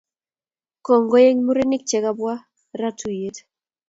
kongoi en murenik che kapwa raa tuyet .